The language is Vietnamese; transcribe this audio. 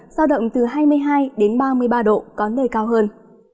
giao động từ hai mươi hai đến ba mươi ba độ có nơi cao hơn